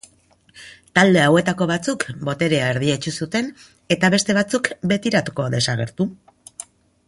Talde hauetako batzuk boterea erdietsi zuten eta beste batzuk betirako desagertu.